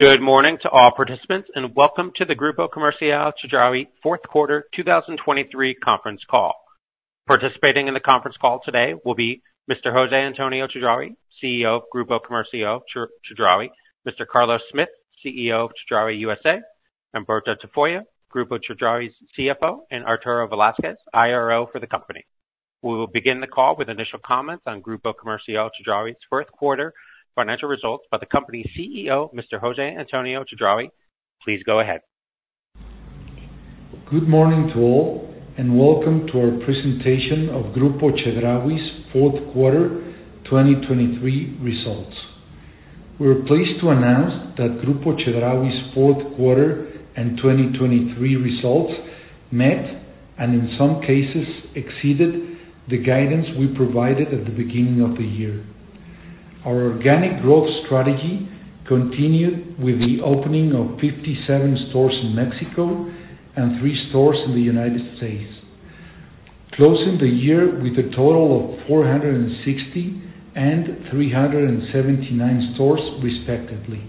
Good morning to all participants, and welcome to the Grupo Comercial Chedraui fourth quarter 2023 conference call. Participating in the conference call today will be Mr. José Antonio Chedraui, CEO of Grupo Comercial Chedraui, Mr. Carlos Smith, CEO of Chedraui USA, Humberto Tafolla Núñez, Grupo Chedraui's CFO, and Arturo Velázquez Díaz, IRO for the company. We will begin the call with initial comments on Grupo Comercial Chedraui's fourth quarter financial results by the company's CEO, Mr. José Antonio Chedraui. Please go ahead. Good morning to all, and welcome to our presentation of Grupo Chedraui's fourth quarter 2023 results. We're pleased to announce that Grupo Chedraui's fourth quarter and 2023 results met, and in some cases, exceeded the guidance we provided at the beginning of the year. Our organic growth strategy continued with the opening of 57 stores in Mexico and 3 stores in the United States, closing the year with a total of 460 and 379 stores, respectively.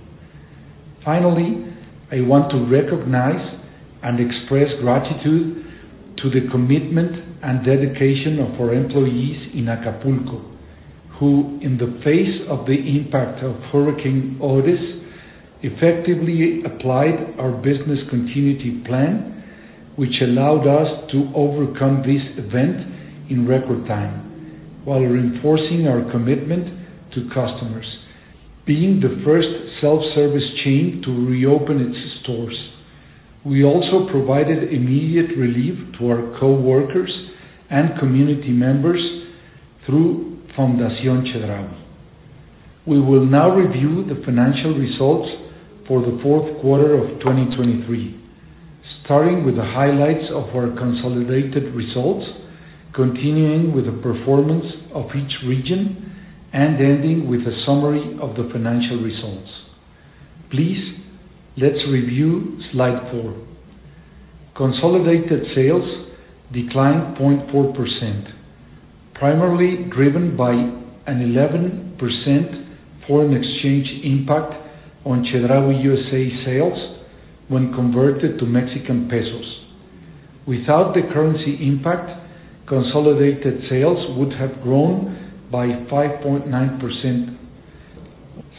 Finally, I want to recognize and express gratitude to the commitment and dedication of our employees in Acapulco, who, in the face of the impact of Hurricane Otis, effectively applied our business continuity plan, which allowed us to overcome this event in record time while reinforcing our commitment to customers. Being the first self-service chain to reopen its stores, we also provided immediate relief to our coworkers and community members through Fundación Chedraui. We will now review the financial results for the fourth quarter of 2023, starting with the highlights of our consolidated results, continuing with the performance of each region, and ending with a summary of the financial results. Please, let's review slide four. Consolidated sales declined 0.4%, primarily driven by an 11% foreign exchange impact on Chedraui USA sales when converted to Mexican pesos. Without the currency impact, consolidated sales would have grown by 5.9%.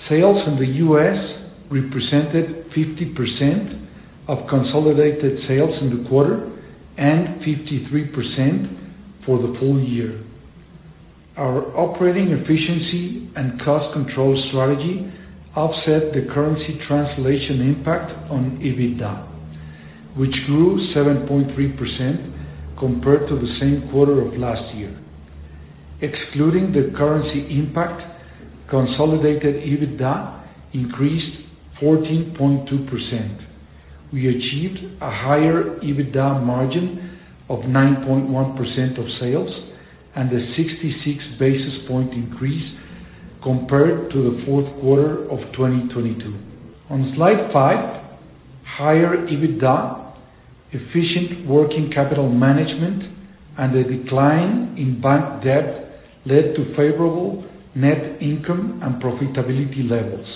Sales in the U.S. represented 50% of consolidated sales in the quarter and 53% for the full year. Our operating efficiency and cost control strategy offset the currency translation impact on EBITDA, which grew 7.3% compared to the same quarter of last year. Excluding the currency impact, consolidated EBITDA increased 14.2%. We achieved a higher EBITDA margin of 9.1% of sales and a 66 basis point increase compared to the fourth quarter of 2022. On slide five, higher EBITDA, efficient working capital management, and a decline in bank debt led to favorable net income and profitability levels.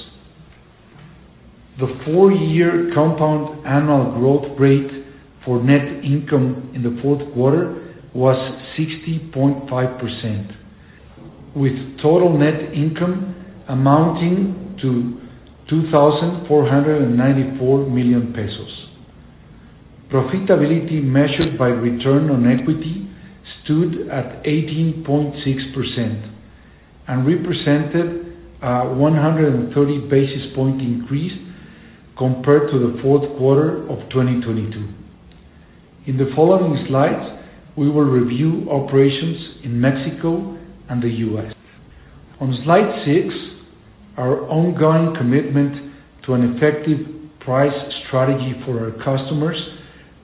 The 4-year compound annual growth rate for net income in the fourth quarter was 60.5%, with total net income amounting to 2,494 million pesos. Profitability measured by return on equity stood at 18.6% and represented a 130 basis points increase compared to the fourth quarter of 2022. In the following slides, we will review operations in Mexico and the U.S. On slide six, our ongoing commitment to an effective price strategy for our customers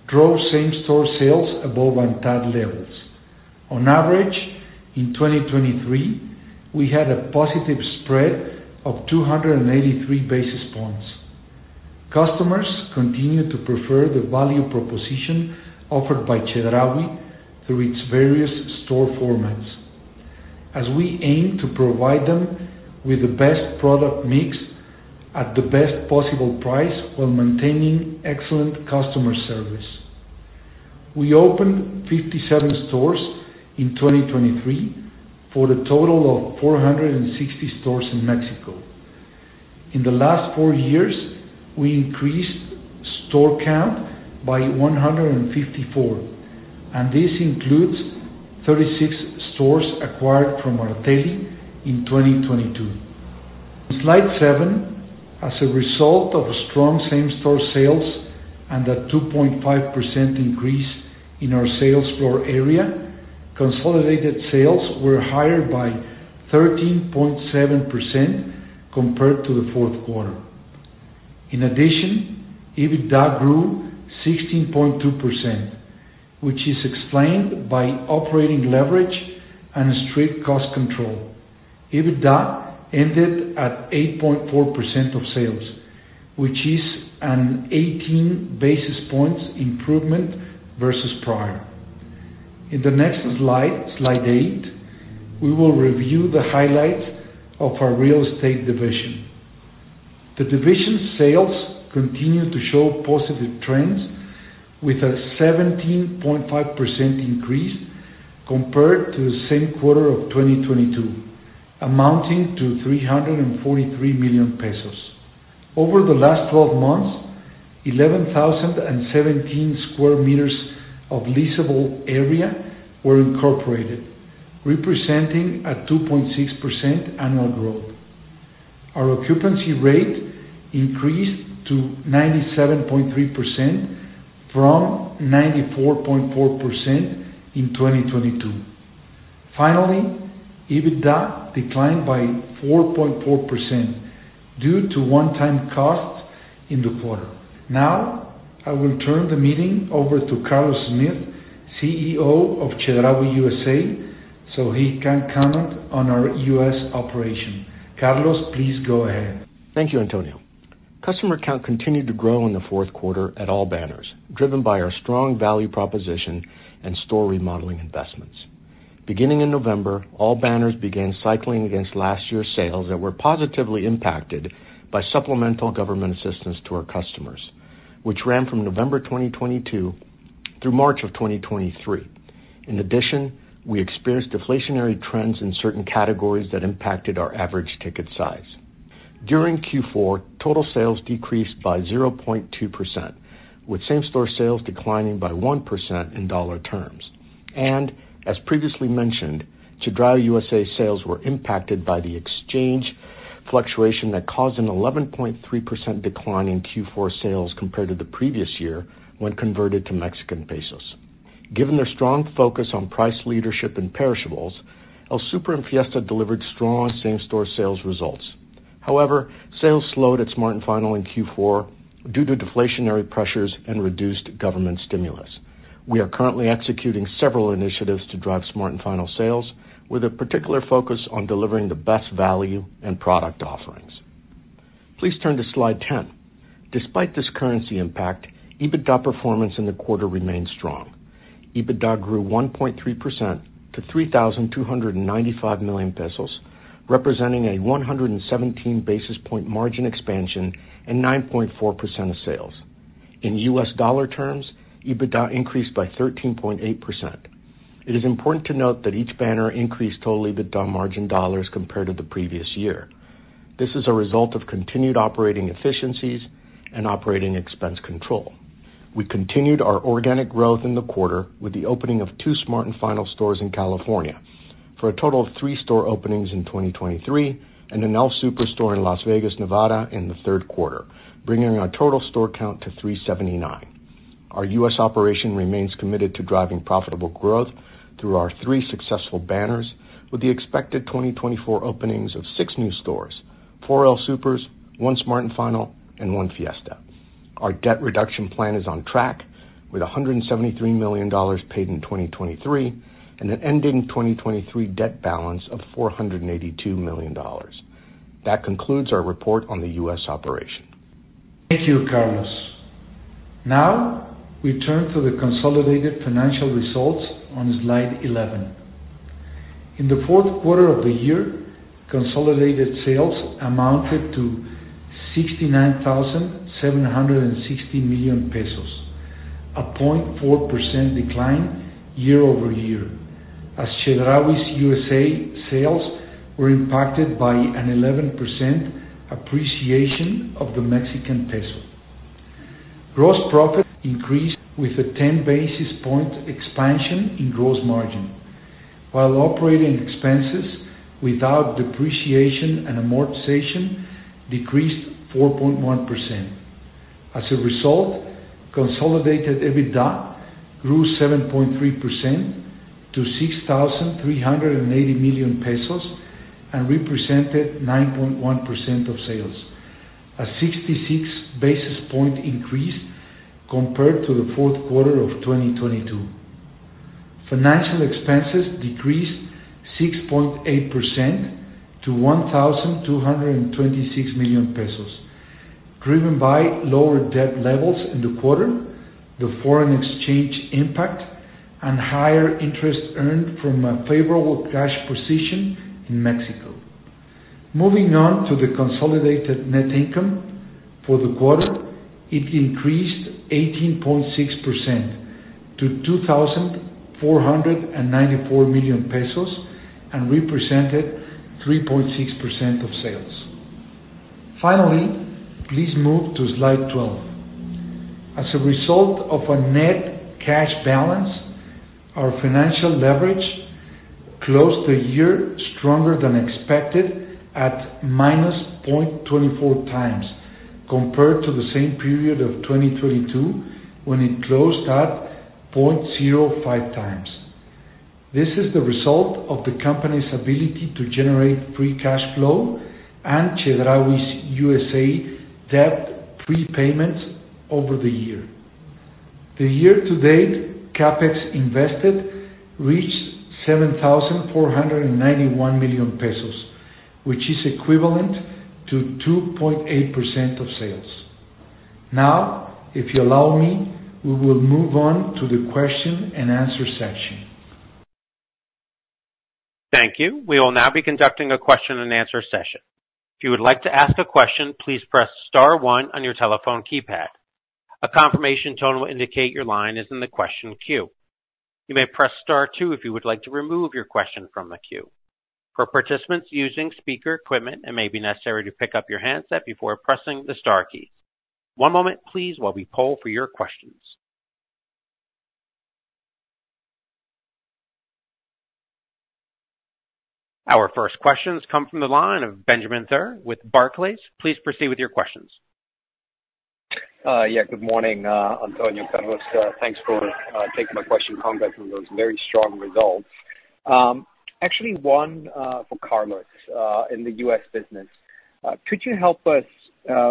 drove same-store sales above ANTAD levels. On average, in 2023, we had a positive spread of 283 basis points. Customers continued to prefer the value proposition offered by Chedraui through its various store formats, as we aim to provide them with the best product mix at the best possible price while maintaining excellent customer service. We opened 57 stores in 2023 for a total of 460 stores in Mexico. In the last four years, we increased store count by 154, and this includes 36 stores acquired from Arteli in 2022. Slide seven, as a result of strong same-store sales and a 2.5% increase in our sales floor area, consolidated sales were higher by 13.7% compared to the fourth quarter. In addition, EBITDA grew 16.2%, which is explained by operating leverage and strict cost control. EBITDA ended at 8.4% of sales, which is an 18 basis points improvement versus prior. In the next slide, slide eight, we will review the highlights of our real estate division. The division sales continue to show positive trends, with a 17.5% increase compared to the same quarter of 2022, amounting to 343 million pesos. Over the last 12 months, 11,017 square meters of leasable area were incorporated, representing a 2.6% annual growth. Our occupancy rate increased to 97.3% from 94.4% in 2022. Finally, EBITDA declined by 4.4% due to one-time cost in the quarter. Now, I will turn the meeting over to Carlos Smith, CEO of Chedraui USA, so he can comment on our U.S. operation. Carlos, please go ahead. Thank you, Antonio. Customer count continued to grow in the fourth quarter at all banners, driven by our strong value proposition and store remodeling investments. Beginning in November, all banners began cycling against last year's sales that were positively impacted by supplemental government assistance to our customers, which ran from November 2022 through March 2023. In addition, we experienced deflationary trends in certain categories that impacted our average ticket size. During Q4, total sales decreased by 0.2%, with same-store sales declining by 1% in dollar terms. And as previously mentioned, Chedraui USA sales were impacted by the exchange fluctuation that caused an 11.3% decline in Q4 sales compared to the previous year, when converted to Mexican pesos. Given their strong focus on price leadership and perishables, El Super and Fiesta delivered strong same-store sales results. However, sales slowed at Smart & Final in Q4 due to deflationary pressures and reduced government stimulus. We are currently executing several initiatives to drive Smart & Final sales, with a particular focus on delivering the best value and product offerings. Please turn to slide 10. Despite this currency impact, EBITDA performance in the quarter remained strong. EBITDA grew 1.3% to 3,295 million pesos, representing a 117 basis points margin expansion and 9.4% of sales. In U.S. dollar terms, EBITDA increased by 13.8%. It is important to note that each banner increased total EBITDA margin dollars compared to the previous year. This is a result of continued operating efficiencies and operating expense control. We continued our organic growth in the quarter with the opening of 2 Smart & Final stores in California, for a total of 3 store openings in 2023, and an El Super store in Las Vegas, Nevada, in the third quarter, bringing our total store count to 379. Our U.S. operation remains committed to driving profitable growth through our 3 successful banners, with the expected 2024 openings of 6 new stores: 4 El Supers, 1 Smart & Final, and 1 Fiesta. Our debt reduction plan is on track, with $173 million paid in 2023, and an ending 2023 debt balance of $482 million. That concludes our report on the U.S. operation. Thank you, Carlos. Now, we turn to the consolidated financial results on slide 11. In the fourth quarter of the year, consolidated sales amounted to 69,760 million pesos, a 0.4% decline year-over-year, as Chedraui USA sales were impacted by an 11% appreciation of the Mexican peso. Gross profit increased with a 10 basis points expansion in gross margin, while operating expenses without depreciation and amortization decreased 4.1%. As a result, consolidated EBITDA grew 7.3% to 6,380 million pesos and represented 9.1% of sales, a 66 basis points increase compared to the fourth quarter of 2022. Financial expenses decreased 6.8% to 1,226 million pesos, driven by lower debt levels in the quarter, the foreign exchange impact, and higher interest earned from a favorable cash position in Mexico. Moving on to the consolidated net income for the quarter, it increased 18.6% to MXN 2,494 million and represented 3.6% of sales. Finally, please move to slide 12. As a result of a net cash balance, our financial leverage closed the year stronger than expected at -0.24x, compared to the same period of 2022, when it closed at 0.05x. This is the result of the company's ability to generate free cash flow and Chedraui USA's debt prepayments over the year. The year-to-date CapEx invested reached 7,491 million pesos, which is equivalent to 2.8% of sales. Now, if you allow me, we will move on to the question and answer section. Thank you. We will now be conducting a question and answer session. If you would like to ask a question, please press star one on your telephone keypad. A confirmation tone will indicate your line is in the question queue. You may press star two if you would like to remove your question from the queue. For participants using speaker equipment, it may be necessary to pick up your handset before pressing the star keys. One moment please, while we poll for your questions. Our first questions come from the line of Benjamin Theurer with Barclays. Please proceed with your questions. Yeah, good morning, Antonio, Carlos. Thanks for taking my question. Congrats on those very strong results. Actually, one for Carlos. In the US business, could you help us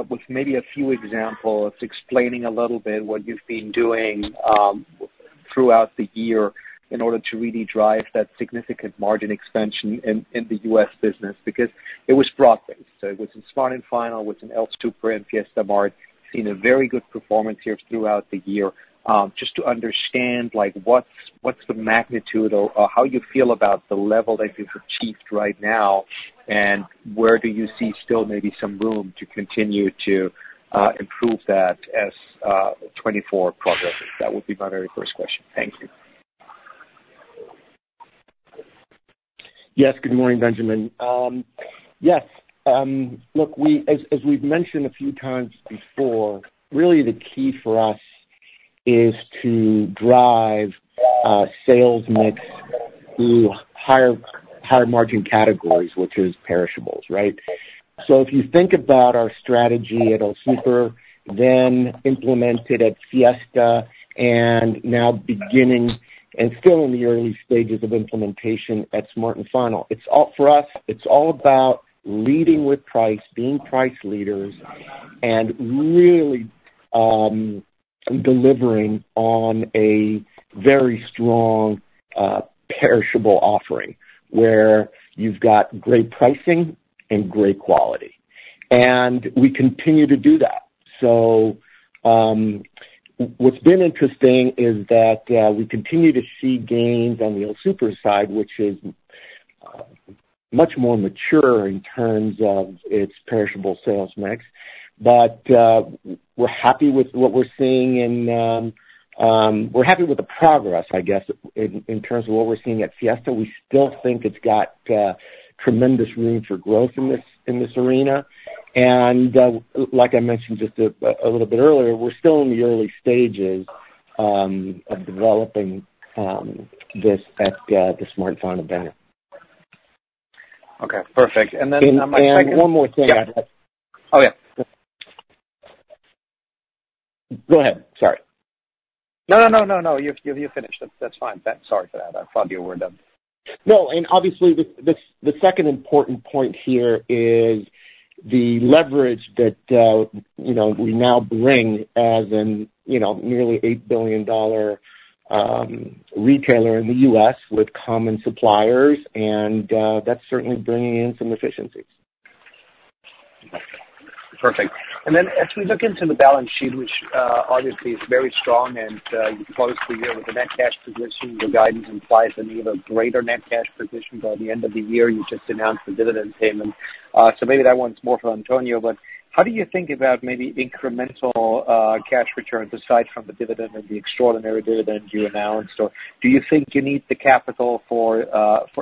with maybe a few examples, explaining a little bit what you've been doing throughout the year in order to really drive that significant margin expansion in the US business? Because it was broad-based, so it was in Smart & Final, it was in El Super and Fiesta Mart, seen a very good performance here throughout the year. Just to understand, like, what's the magnitude or how you feel about the level that you've achieved right now, and where do you see still maybe some room to continue to improve that as 2024 progresses? That would be my very first question. Thank you. Yes, good morning, Benjamin. Yes, look, we, as we've mentioned a few times before, really the key for us is to drive sales mix through higher, higher margin categories, which is perishables, right? So if you think about our strategy at El Super, then implemented at Fiesta, and now beginning and still in the early stages of implementation at Smart & Final, it's all... For us, it's all about leading with price, being price leaders, and really delivering on a very strong perishable offering, where you've got great pricing and great quality. And we continue to do that. So, what's been interesting is that, we continue to see gains on the El Super side, which is much more mature in terms of its perishable sales mix. But, we're happy with what we're seeing in, we're happy with the progress, I guess, in terms of what we're seeing at Fiesta. We still think it's got tremendous room for growth in this arena. And, like I mentioned just a little bit earlier, we're still in the early stages of developing this at the Smart & Final banner. Okay, perfect. And then my second- And, one more thing. Yep. Oh, yeah. Go ahead, sorry. No, no, no, no, no, you finished. That's, that's fine. Sorry for that, I thought you were done. No, and obviously, the second important point here is the leverage that you know we now bring as an you know nearly $8 billion retailer in the U.S. with common suppliers, and that's certainly bringing in some efficiencies. Perfect. And then as we look into the balance sheet, which obviously is very strong, and you close the year with a net cash position, your guidance implies an even greater net cash position by the end of the year, you just announced a dividend payment. So maybe that one's more for Antonio, but how do you think about maybe incremental cash returns aside from the dividend and the extraordinary dividend you announced? Or do you think you need the capital for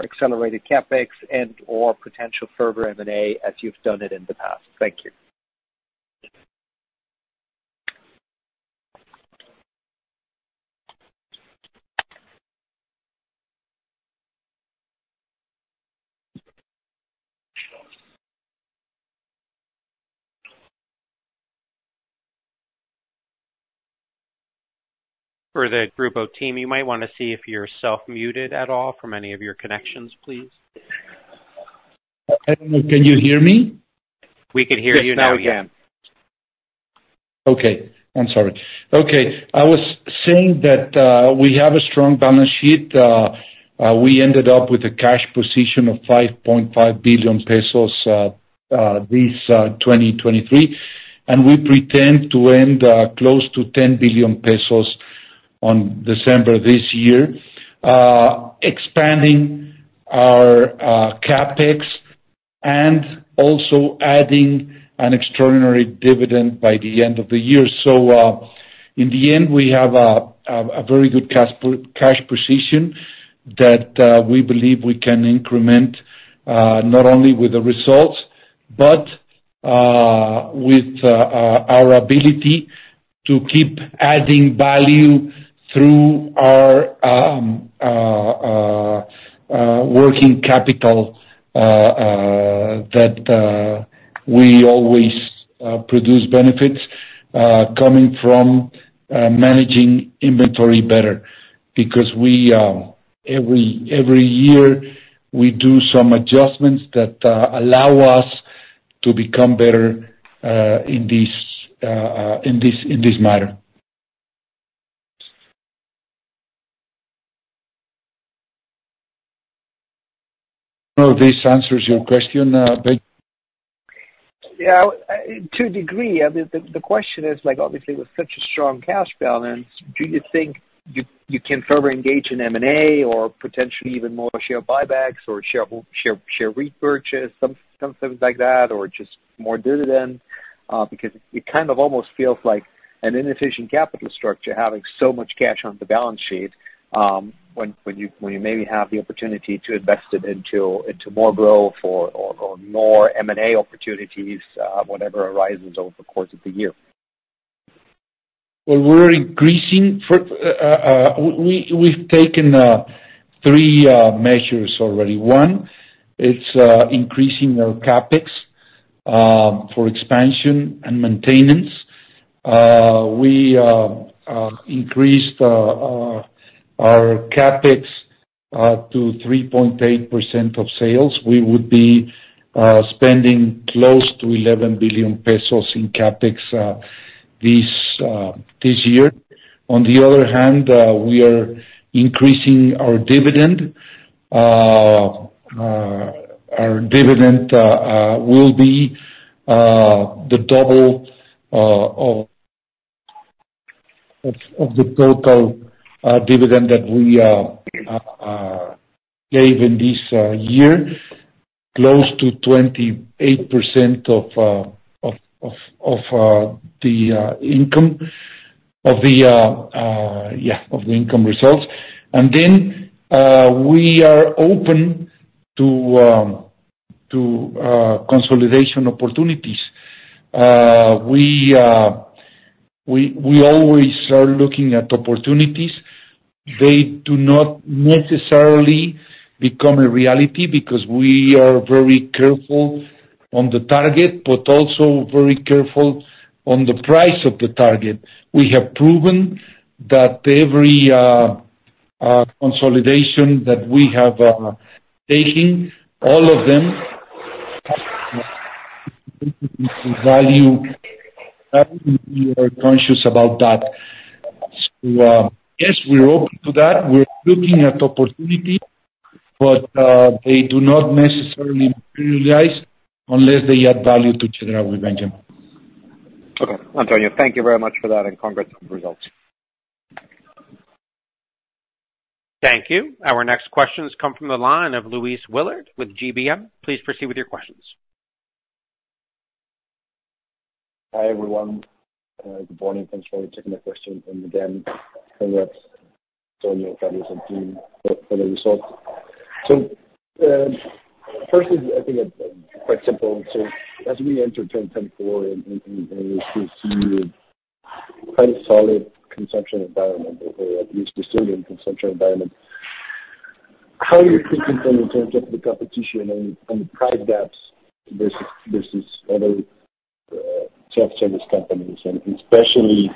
accelerated CapEx and/or potential further M&A as you've done it in the past? Thank you. For the Grupo team, you might wanna see if you're self-muted at all from any of your connections, please. Can you hear me? We can hear you now, yeah. Yes, now we can. Okay. I'm sorry. Okay, I was saying that we have a strong balance sheet. We ended up with a cash position of 5.5 billion pesos this 2023, and we pretend to end close to 10 billion pesos on December this year. Expanding our CapEx and also adding an extraordinary dividend by the end of the year. So, in the end, we have a very good cash position that we believe we can increment, not only with the results, but with our ability to keep adding value through our working capital that we always produce benefits coming from managing inventory better, because every year we do some adjustments that allow us to become better in this matter. I know this answers your question, but- Yeah, to a degree. I mean, the question is, like, obviously, with such a strong cash balance, do you think you can further engage in M&A or potentially even more share buybacks or share repurchase, something like that, or just more dividend? Because it kind of almost feels like an inefficient capital structure having so much cash on the balance sheet, when you maybe have the opportunity to invest it into more growth or more M&A opportunities, whatever arises over the course of the year. Well, we've taken 3 measures already. One, it's increasing our CapEx for expansion and maintenance. We increased our CapEx to 3.8% of sales. We would be spending close to 11 billion pesos in CapEx this year. On the other hand, we are increasing our dividend. Our dividend will be the double of the total dividend that we gave in this year, close to 28% of the income results. And then, we are open to consolidation opportunities. We always are looking at opportunities. They do not necessarily become a reality because we are very careful on the target, but also very careful on the price of the target. We have proven that every consolidation that we have taken, all of them value, we are conscious about that. So, yes, we're open to that. We're looking at opportunities, but they do not necessarily realize unless they add value to Chedraui. Okay. Antonio, thank you very much for that, and congrats on the results. Thank you. Our next question comes from the line of Luis Willard with GBM. Please proceed with your questions. Hi, everyone, good morning. Thanks for taking my question. And again, congrats to you and fabulous team for the results. So, first, I think it's quite simple. So as we enter 2024 and we still see quite a solid consumption environment or at least resilient consumption environment, how are you thinking then in terms of the competition and the price gaps versus other self-service companies? And especially,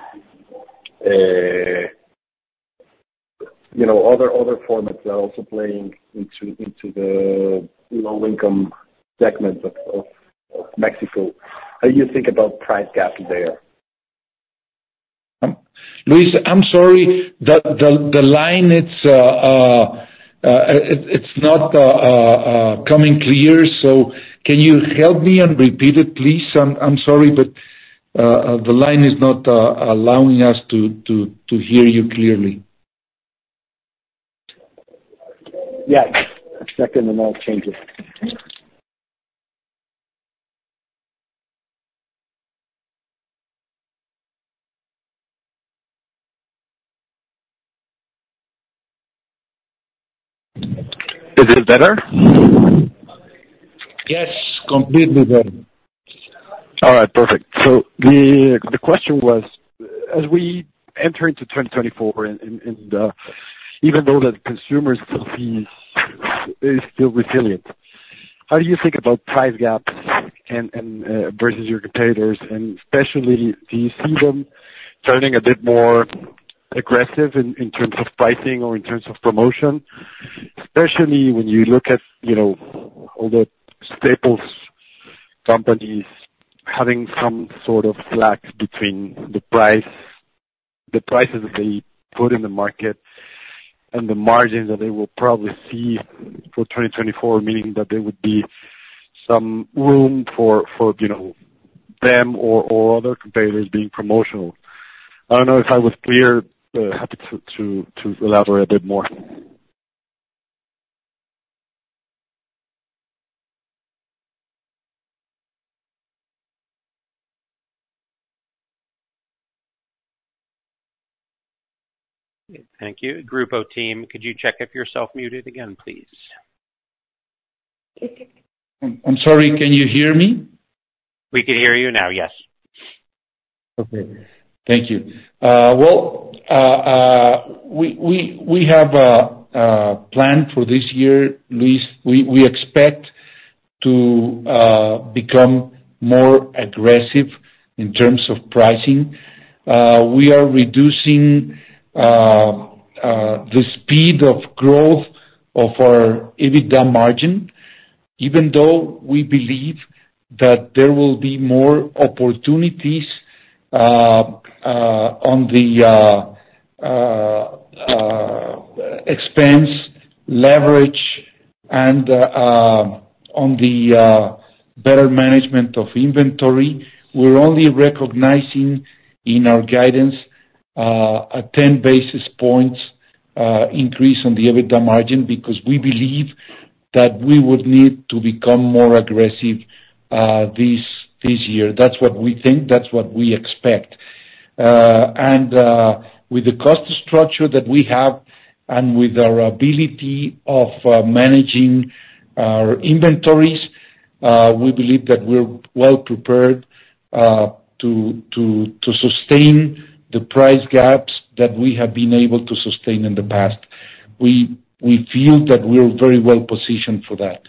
you know, other formats are also playing into the low-income segments of Mexico. How you think about price gap there? Luis, I'm sorry. The line, it's not coming clear, so can you help me and repeat it, please? I'm sorry, but the line is not allowing us to hear you clearly. Yeah, one second, and I'll change it. Is it better? Yes, completely better. All right, perfect. So the question was, as we enter into 2024 and even though the consumer still sees is still resilient, how do you think about price gaps and versus your competitors, and especially, do you see them turning a bit more aggressive in terms of pricing or in terms of promotion? Especially when you look at, you know, all the staples companies having some sort of slack between the price, the prices that they put in the market and the margins that they will probably see for 2024, meaning that there would be some room for, you know, them or other competitors being promotional. I don't know if I was clear, happy to elaborate a bit more. Thank you. Grupo team, could you check if you're self-muted again, please? I'm sorry, can you hear me? We can hear you now, yes. Okay. Thank you. Well, we have a plan for this year, Luis. We expect to become more aggressive in terms of pricing. We are reducing the speed of growth of our EBITDA margin, even though we believe that there will be more opportunities on the expense leverage and on the better management of inventory. We're only recognizing in our guidance a 10 basis points increase on the EBITDA margin, because we believe that we would need to become more aggressive this year. That's what we think, that's what we expect. With the cost structure that we have and with our ability of managing our inventories, we believe that we're well prepared to sustain the price gaps that we have been able to sustain in the past. We feel that we're very well positioned for that.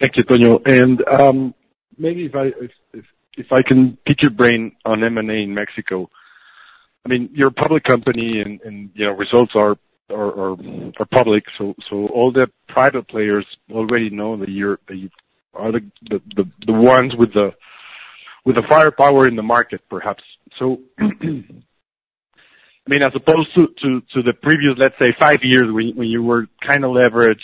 Thank you, Tonio, and maybe if I can pick your brain on M&A in Mexico. I mean, you're a public company, and you know, results are public, so all the private players already know that you're the ones with the firepower in the market, perhaps. So, I mean, as opposed to the previous, let's say, five years, when you were kind of leveraged,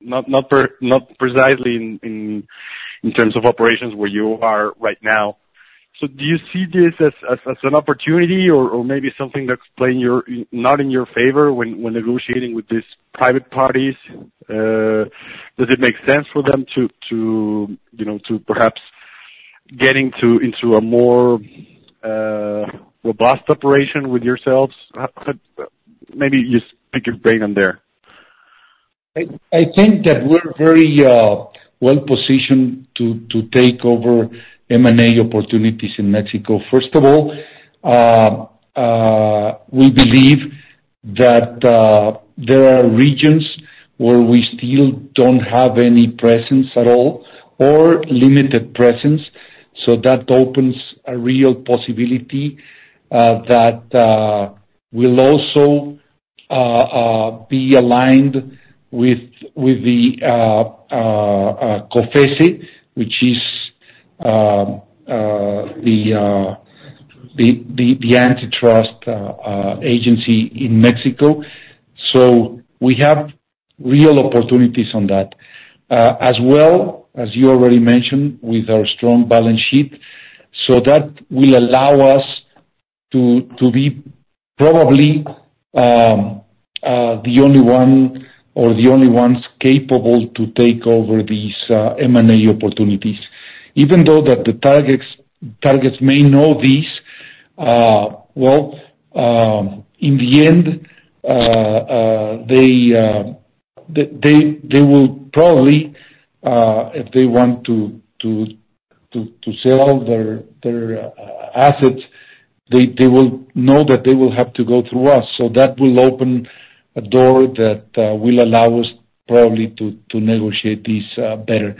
not precisely in terms of operations where you are right now. So do you see this as an opportunity or maybe something that's playing your not in your favor when negotiating with these private parties? Does it make sense for them to you know, to perhaps getting into a more robust operation with yourselves? Maybe just pick your brain on there. I think that we're very well positioned to take over M&A opportunities in Mexico. First of all, we believe that there are regions where we still don't have any presence at all or limited presence, so that opens a real possibility that will also be aligned with the COFECE, which is the antitrust agency in Mexico. So we have real opportunities on that. As well as you already mentioned, with our strong balance sheet. So that will allow us to be probably the only one or the only ones capable to take over these M&A opportunities. Even though that the targets may know this, in the end, they will probably, if they want to sell their assets, they will know that they will have to go through us, so that will open a door that will allow us probably to negotiate this better.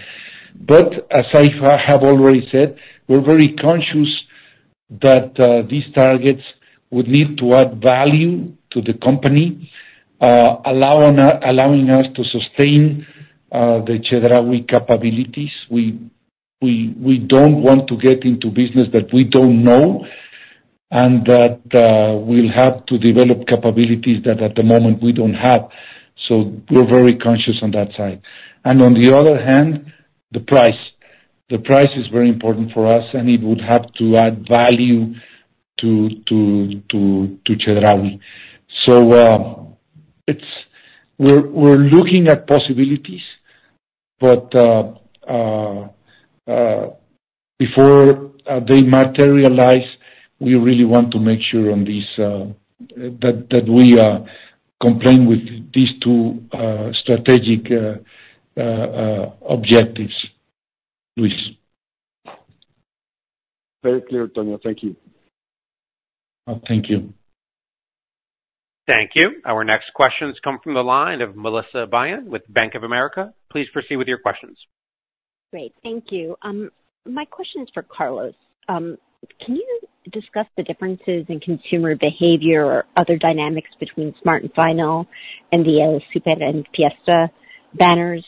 But as I have already said, we're very conscious that these targets would need to add value to the company, allowing us to sustain the Chedraui capabilities. We don't want to get into business that we don't know, and that we'll have to develop capabilities that, at the moment, we don't have, so we're very conscious on that side. And on the other hand, the price. The price is very important for us, and it would have to add value to Chedraui. So, we're looking at possibilities, but before they materialize, we really want to make sure on this that we comply with these two strategic objectives, Luis. Very clear, Tonio. Thank you. Thank you. Thank you. Our next question comes from the line of Melissa Byun with Bank of America. Please proceed with your questions. Great. Thank you. My question is for Carlos. Can you discuss the differences in consumer behavior or other dynamics between Smart & Final and the El Super and Fiesta banners,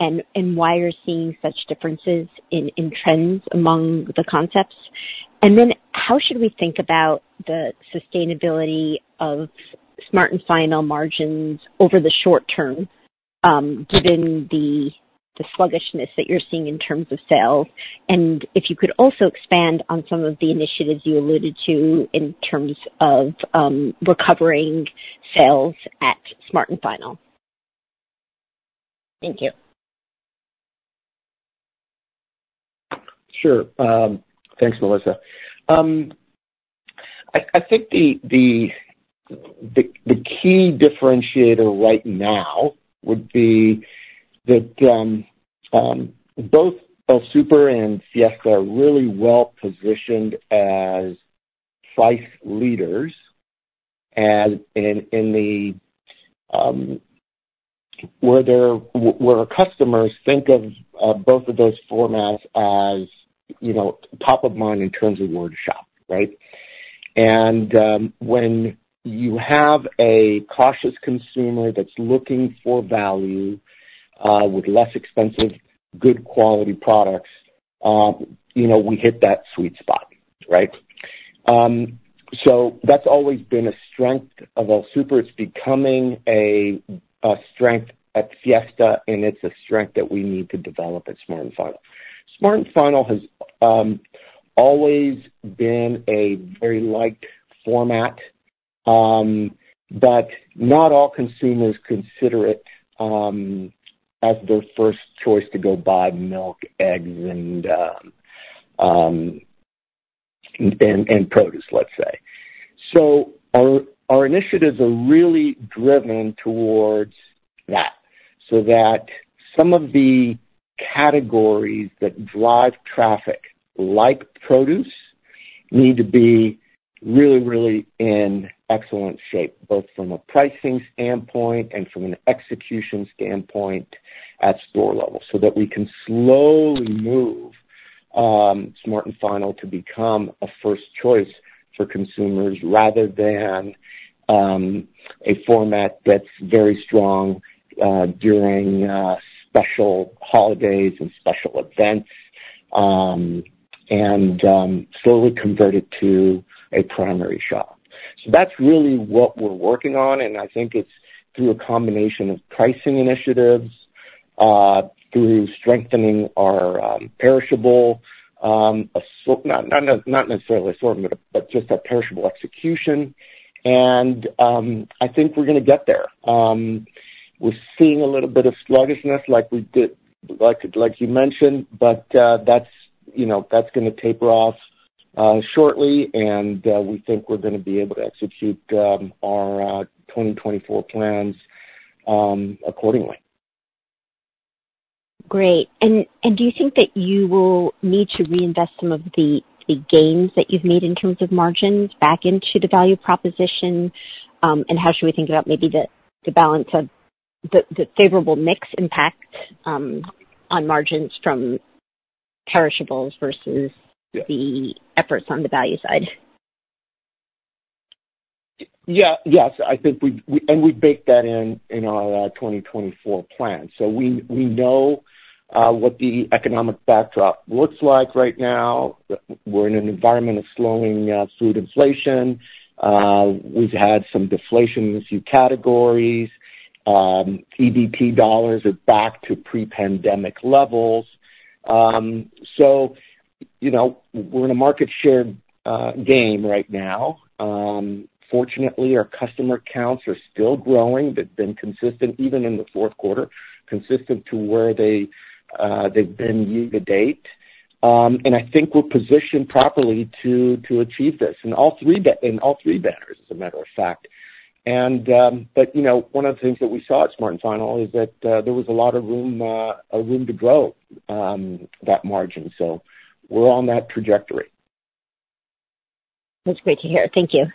and why you're seeing such differences in trends among the concepts? And then how should we think about the sustainability of Smart & Final margins over the short term, given the sluggishness that you're seeing in terms of sales? And if you could also expand on some of the initiatives you alluded to in terms of recovering sales at Smart & Final. Thank you. Sure, thanks, Melissa. I think the key differentiator right now would be that both El Super and Fiesta are really well positioned as price leaders, and where our customers think of both of those formats as, you know, top of mind in terms of where to shop, right? When you have a cautious consumer that's looking for value with less expensive, good quality products, you know, we hit that sweet spot, right? So that's always been a strength of our Super. It's becoming a strength at Fiesta, and it's a strength that we need to develop at Smart & Final. Smart & Final has always been a very liked format, but not all consumers consider it as their first choice to go buy milk, eggs, and produce, let's say. So our initiatives are really driven towards that, so that some of the categories that drive traffic, like produce, need to be really, really in excellent shape, both from a pricing standpoint and from an execution standpoint at store level, so that we can slowly move Smart & Final to become a first choice for consumers, rather than a format that's very strong during special holidays and special events, and slowly convert it to a primary shop. So that's really what we're working on, and I think it's through a combination of pricing initiatives, through strengthening our perishable not necessarily assortment, but just our perishable execution. And I think we're gonna get there. We're seeing a little bit of sluggishness like we did, like you mentioned, but that's, you know, that's gonna taper off shortly, and we think we're gonna be able to execute our 2024 plans accordingly. Great. Do you think that you will need to reinvest some of the gains that you've made in terms of margins back into the value proposition? And how should we think about maybe the balance of the favorable mix impact on margins from perishables versus- Yeah. the efforts on the value side? Yeah. Yes, I think we baked that in in our 2024 plan. So we know what the economic backdrop looks like right now. We're in an environment of slowing food inflation. We've had some deflation in a few categories. EBT dollars are back to pre-pandemic levels. So, you know, we're in a market share game right now. Fortunately, our customer counts are still growing. They've been consistent, even in the fourth quarter, consistent to where they've been year to date. And I think we're positioned properly to achieve this, in all three banners, as a matter of fact. You know, one of the things that we saw at Smart & Final is that there was a lot of room to grow that margin. So we're on that trajectory. That's great to hear. Thank you.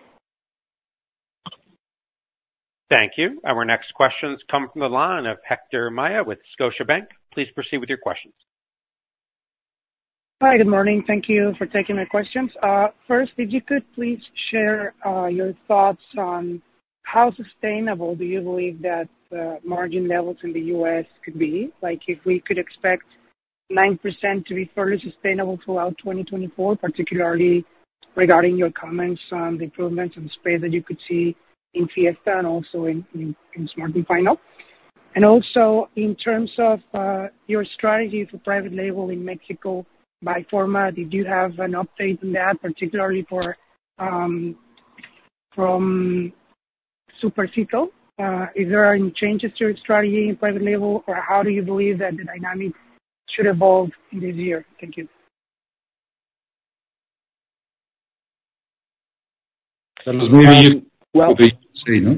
Thank you. Our next questions come from the line of Hector Maya with Scotiabank. Please proceed with your questions. Hi, good morning. Thank you for taking my questions. First, if you could please share your thoughts on how sustainable do you believe that margin levels in the U.S. could be? Like, if we could expect 9% to be further sustainable throughout 2024, particularly regarding your comments on the improvements and spread that you could see in Fiesta and also in Smart & Final. Also, in terms of your strategy for private label in Mexico by format, did you have an update on that, particularly for from Supercito? Is there any changes to your strategy in private label, or how do you believe that the dynamic should evolve in this year? Thank you. Carlos maybe you, Of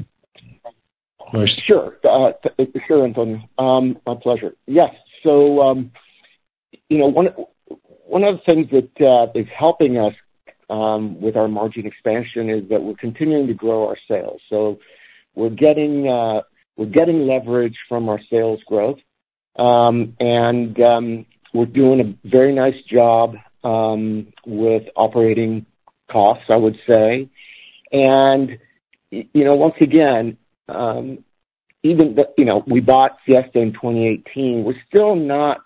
course. Sure. Sure, Anton, my pleasure. Yes. So, you know, one of the things that is helping us with our margin expansion is that we're continuing to grow our sales. So we're getting, we're getting leverage from our sales growth. And we're doing a very nice job with operating costs, I would say. And you know, once again, even the You know, we bought Fiesta in 2018, we're still not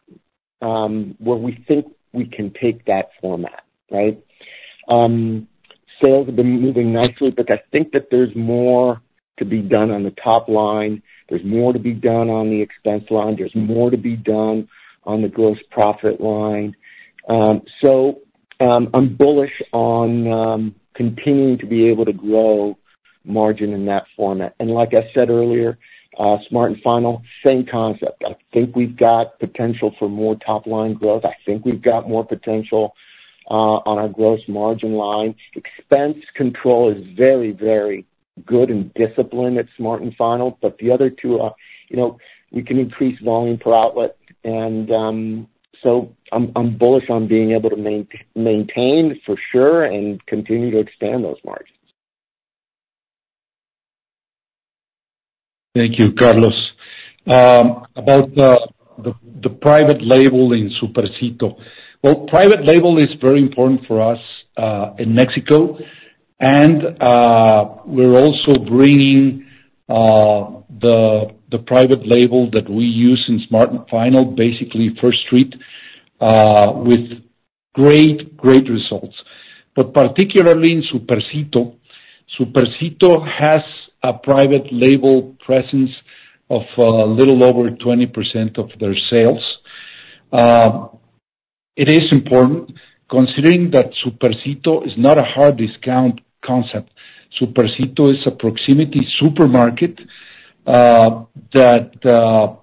where we think we can take that format, right? Sales have been moving nicely, but I think that there's more to be done on the top line. There's more to be done on the expense line. There's more to be done on the gross profit line. So, I'm bullish on continuing to be able to grow margin in that format. And like I said earlier, Smart & Final, same concept. I think we've got potential for more top line growth. I think we've got more potential on our gross margin line. Expense control is very, very good and disciplined at Smart & Final, but the other two are, you know, we can increase volume per outlet. And so I'm bullish on being able to maintain, for sure, and continue to expand those margins. Thank you, Carlos. About the private label in Supercito. Well, private label is very important for us in Mexico, and we're also bringing the private label that we use in Smart & Final, basically First Street, with great results. But particularly in Supercito, Supercito has a private label presence of a little over 20% of their sales. It is important, considering that Supercito is not a hard discount concept. Supercito is a proximity supermarket that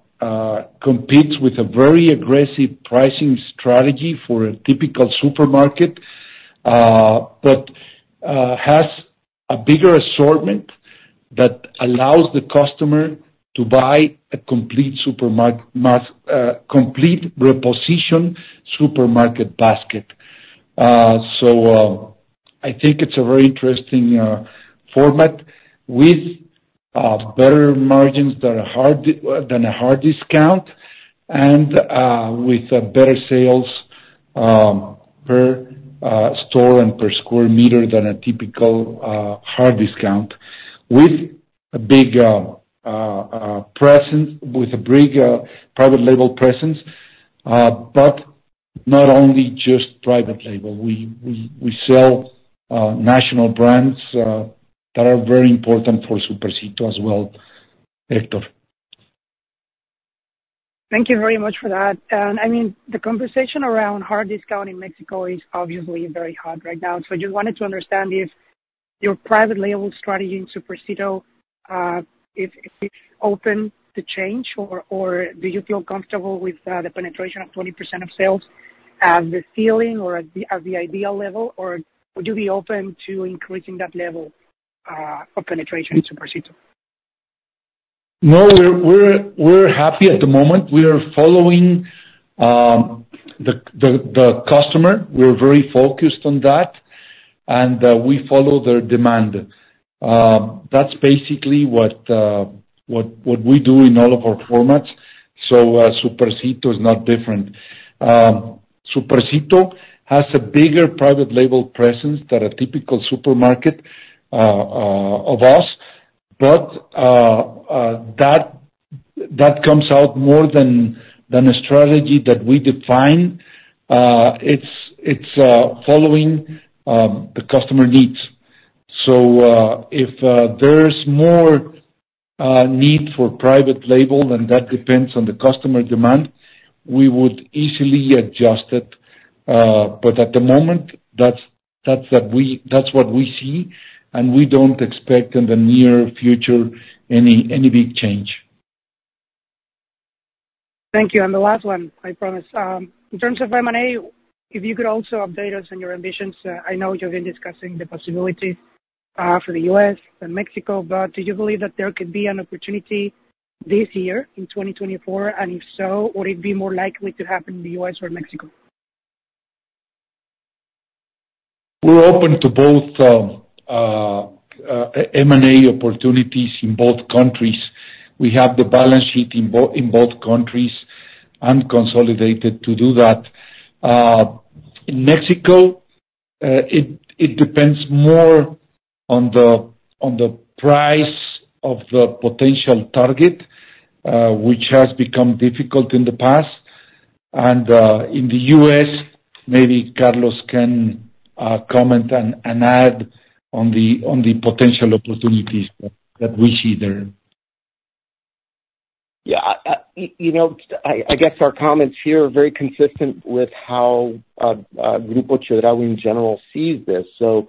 competes with a very aggressive pricing strategy for a typical supermarket, but has a bigger assortment that allows the customer to buy a complete supermarket basket. So, I think it's a very interesting format with better margins than a hard discount and with better sales per store and per square meter than a typical hard discount, with a big presence with a big private label presence, but not only just private label. We sell national brands that are very important for Supercito as well, Hector. Thank you very much for that. I mean, the conversation around hard discount in Mexico is obviously very hot right now. I just wanted to understand if your private label strategy in Supercito, if open to change, or do you feel comfortable with the penetration of 20% of sales as the ceiling or at the ideal level? Or would you be open to increasing that level of penetration in Supercito? No, we're happy at the moment. We are following the customer. We're very focused on that, and we follow their demand. That's basically what we do in all of our formats, so Supercito is not different. Supercito has a bigger private label presence than a typical supermarket of us, but that comes out more than a strategy that we define. It's following the customer needs. So, if there's more need for private label, and that depends on the customer demand, we would easily adjust it. But at the moment, that's what we see, and we don't expect in the near future any big change. Thank you. And the last one, I promise. In terms of M&A, if you could also update us on your ambitions. I know you've been discussing the possibility for the U.S. and Mexico, but do you believe that there could be an opportunity this year, in 2024? And if so, would it be more likely to happen in the U.S. or Mexico? We're open to both M&A opportunities in both countries. We have the balance sheet in both countries, and consolidated to do that. In Mexico, it depends more on the price of the potential target, which has become difficult in the past. In the U.S., maybe Carlos can comment and add on the potential opportunities that we see there. Yeah, you know, I guess our comments here are very consistent with how Grupo Chedraui in general sees this. So,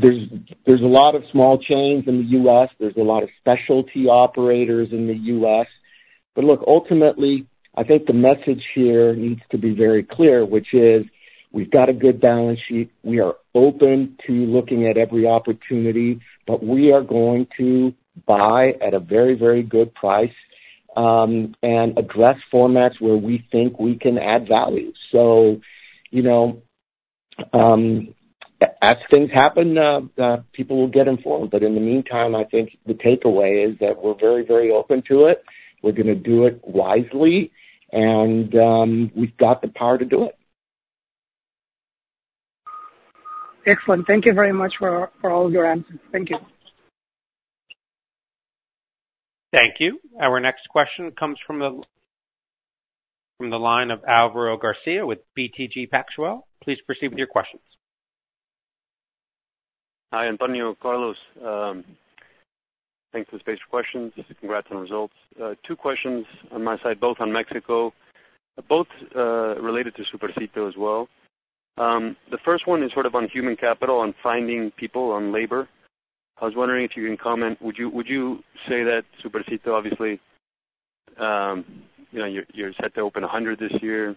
there's a lot of small chains in the U.S., there's a lot of specialty operators in the U.S. But look, ultimately, I think the message here needs to be very clear, which is: We've got a good balance sheet, we are open to looking at every opportunity, but we are going to buy at a very, very good price, and address formats where we think we can add value. So, you know, as things happen, people will get informed. But in the meantime, I think the takeaway is that we're very, very open to it, we're gonna do it wisely, and we've got the power to do it. Excellent. Thank you very much for all your answers. Thank you. Thank you. Our next question comes from the line of Alvaro Garcia with BTG Pactual. Please proceed with your questions. Hi, Antonio, Carlos. Thanks for the space for questions. Just congrats on the results. Two questions on my side, both on Mexico, both related to Supercito as well. The first one is sort of on human capital, on finding people, on labor. I was wondering if you can comment, would you, would you say that Supercito, obviously, you know, you're, you're set to open 100 this year.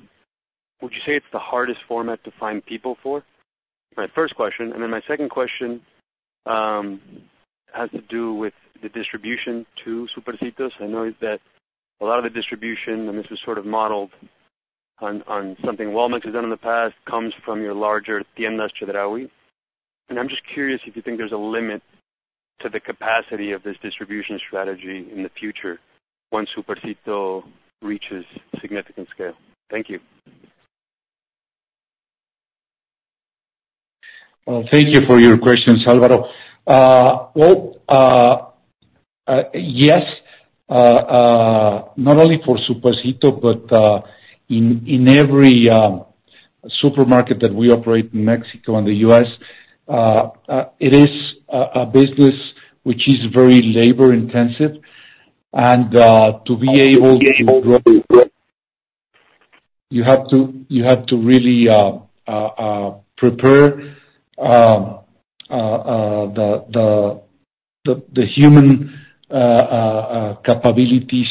Would you say it's the hardest format to find people for? My first question, and then my second question has to do with the distribution to Supercitos. I know that a lot of the distribution, and this is sort of modeled On something has done in the past, comes from your larger, and I'm just curious if you think there's a limit to the capacity of this distribution strategy in the future once Supercito reaches significant scale? Thank you. Well, thank you for your question, Alvaro. Well, yes, not only for Supercito, but in every supermarket that we operate in Mexico and the US, it is a business which is very labor intensive, and to be able to grow, you have to really prepare the human capabilities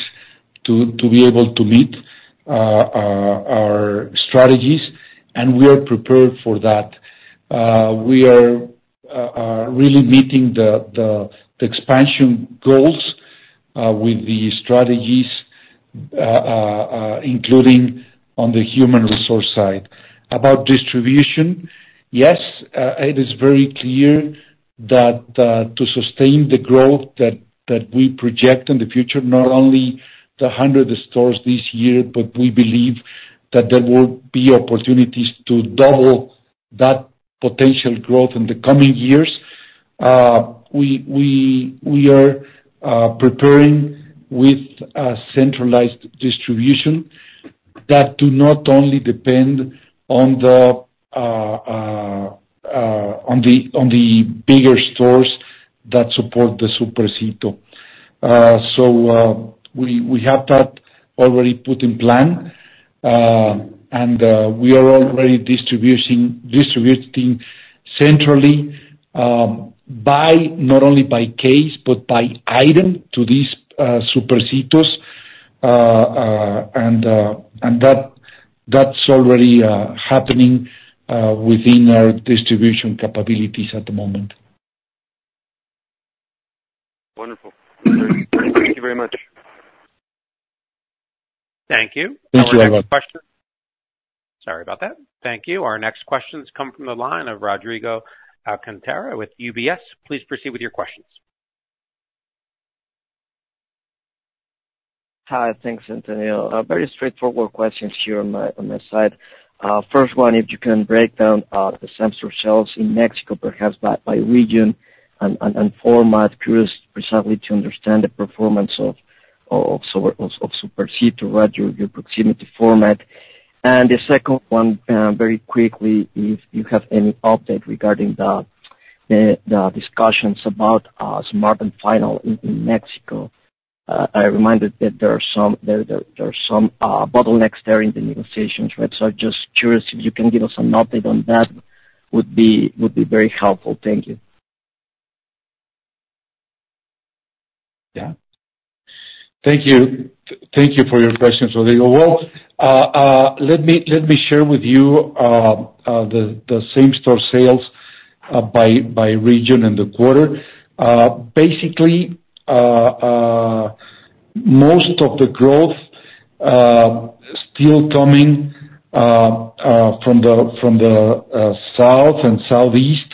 to be able to meet our strategies, and we are prepared for that. We are really meeting the expansion goals with the strategies including on the human resource side. About distribution, yes, it is very clear that to sustain the growth that we project in the future, not only the 100 stores this year, but we believe that there will be opportunities to double that potential growth in the coming years. We are preparing with a centralized distribution that do not only depend on the bigger stores that support the Supercito. So, we have that already put in plan, and we are already distributing centrally, by not only by case, but by item to these Supercitos, and that's already happening within our distribution capabilities at the moment. Wonderful. Thank you very much. Thank you. Thank you very much. Our next question... Sorry about that. Thank you. Our next question comes from the line of Rodrigo Alcantara with UBS. Please proceed with your questions. Hi, thanks, Antonio. Very straightforward questions here on my side. First one, if you can break down the same-store sales in Mexico, perhaps by region and format. Curious precisely to understand the performance of Supercito, right, your proximity format. And the second one, very quickly, if you have any update regarding the discussions about Smart & Final in Mexico. I reminded that there are some bottlenecks there in the negotiations, right? So just curious if you can give us an update on that would be very helpful. Thank you. Yeah. Thank you. Thank you for your questions, Rodrigo. Well, let me share with you the same-store sales by region in the quarter. Basically, most of the growth still coming from the south and southeast,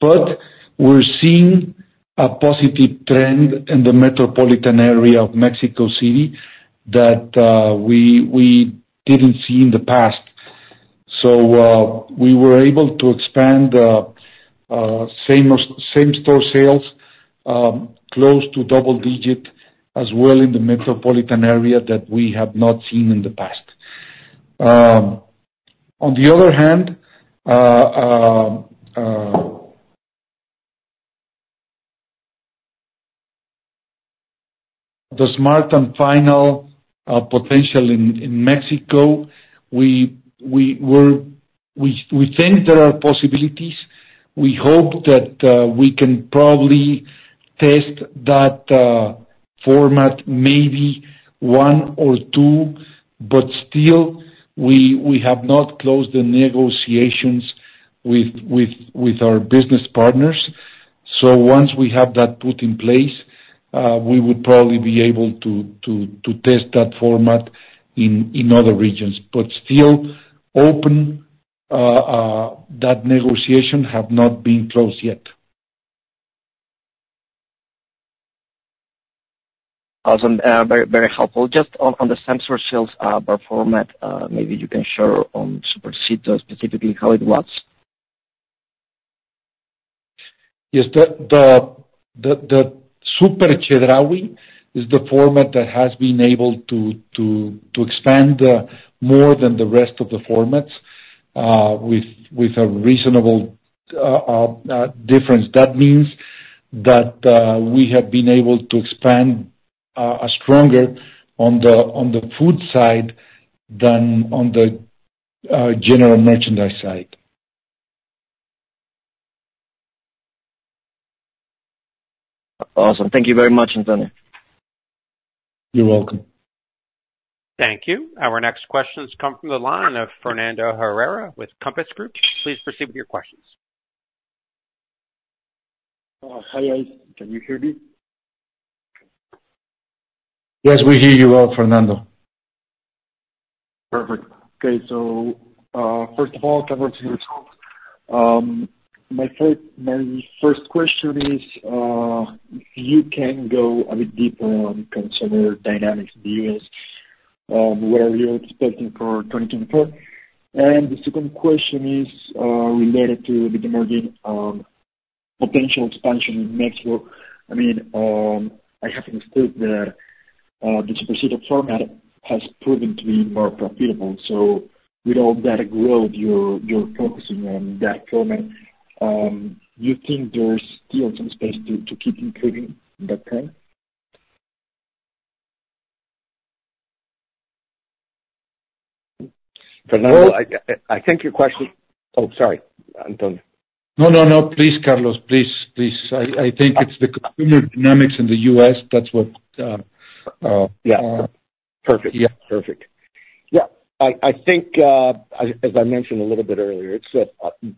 but we're seeing a positive trend in the metropolitan area of Mexico City that we didn't see in the past. So, we were able to expand same-store sales close to double digit as well in the metropolitan area that we have not seen in the past. On the other hand, the Smart & Final potential in Mexico, we think there are possibilities. We hope that we can probably test that format, maybe one or two, but still, we have not closed the negotiations with our business partners. So once we have that put in place, we would probably be able to test that format in other regions, but still open, that negotiation have not been closed yet. Awesome. Very, very helpful. Just on the same-store sales format, maybe you can share on Supercito, specifically how it was. Yes. The Super Chedraui is the format that has been able to expand more than the rest of the formats with a reasonable difference. That means that we have been able to expand stronger on the food side than on the general merchandise side. Awesome. Thank you very much, Antonio. You're welcome. Thank you. Our next questions come from the line of Fernando Herrera with Compass Group. Please proceed with your questions. Hi. Can you hear me? Yes, we hear you well, Fernando. Perfect. Okay, so, first of all, congratulations. My first question is, you can go a bit deeper on consumer dynamics in the U.S., what are you expecting for 2024? And the second question is, related to the margin potential expansion in Mexico. I mean, I have understood that, the Supercito format has proven to be more profitable. So with all that growth, you're focusing on that format, you think there's still some space to keep improving that plan? Fernando, I think your question. Oh, sorry, Antonio. No, no, no. Please, Carlos, please, please. I, I think it's the consumer dynamics in the U.S., that's what, Yeah. Perfect. Yeah. Perfect. Yeah. I think as I mentioned a little bit earlier, it's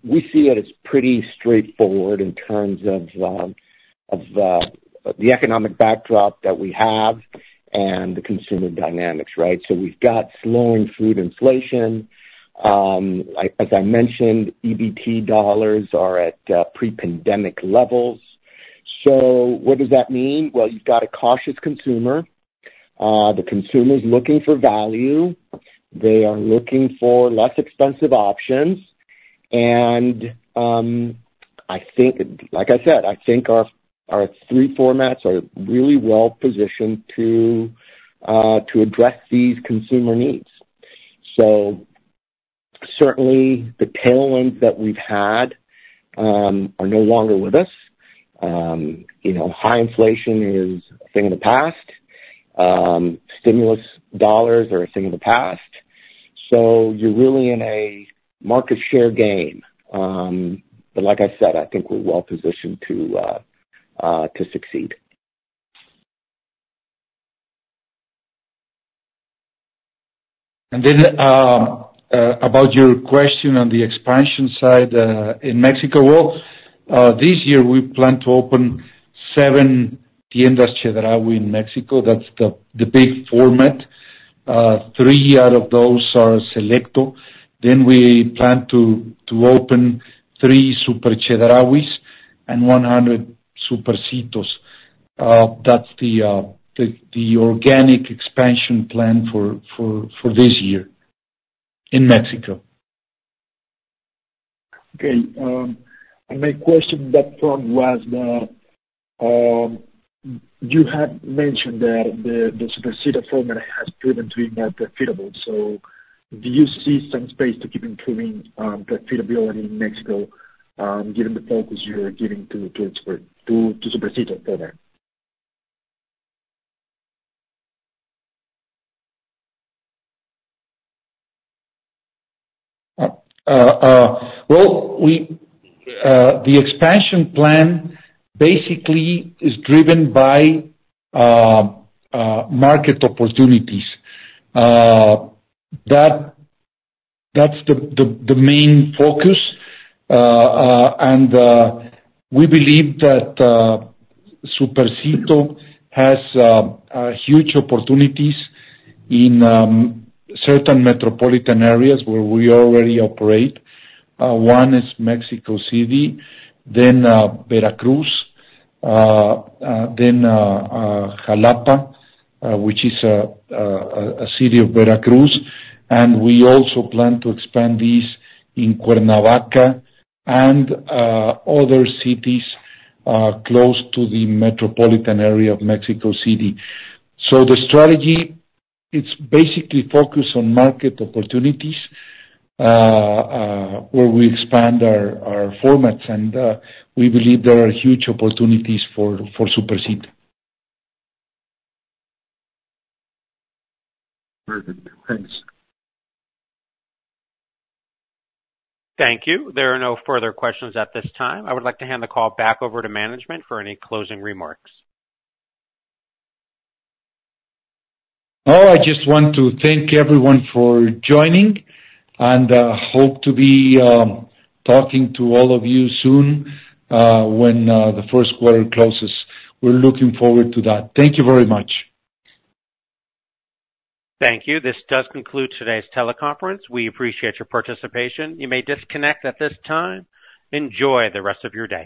we see it as pretty straightforward in terms of the economic backdrop that we have and the consumer dynamics, right? So we've got slowing food inflation. Like as I mentioned, EBT dollars are at pre-pandemic levels. So what does that mean? Well, you've got a cautious consumer. The consumer is looking for value, they are looking for less expensive options, and I think, like I said, I think our three formats are really well positioned to to address these consumer needs. So certainly, the tailwinds that we've had are no longer with us. You know, high inflation is a thing of the past. Stimulus dollars are a thing of the past, so you're really in a market share game. But like I said, I think we're well positioned to succeed. Then, about your question on the expansion side, in Mexico. Well, this year, we plan to open 7 Tiendas Chedraui in Mexico. That's the big format. 3 out of those are Selecto. Then we plan to open 3 Super Chedrauis and 100 Supercitos. That's the organic expansion plan for this year in Mexico. Okay. My question background was that you had mentioned that the Supercito format has proven to be more profitable. So do you see some space to keep improving profitability in Mexico, given the focus you're giving to expand to Supercito further? Well, we, the expansion plan basically is driven by market opportunities. That's the main focus. And we believe that Supercito has a huge opportunities in certain metropolitan areas where we already operate. One is Mexico City, then Veracruz, then Jalapa, which is a city of Veracruz. And we also plan to expand this in Cuernavaca and other cities close to the metropolitan area of Mexico City. So the strategy, it's basically focused on market opportunities where we expand our formats, and we believe there are huge opportunities for Supercito. Perfect. Thanks. Thank you. There are no further questions at this time. I would like to hand the call back over to management for any closing remarks. Well, I just want to thank everyone for joining, and hope to be talking to all of you soon when the first quarter closes. We're looking forward to that. Thank you very much. Thank you. This does conclude today's teleconference. We appreciate your participation. You may disconnect at this time. Enjoy the rest of your day.